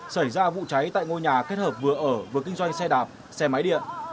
xảy ra vụ cháy tại ngôi nhà kết hợp vừa ở vừa kinh doanh xe đạp xe máy điện